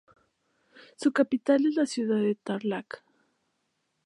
Su capital es la ciudad de Tarlac.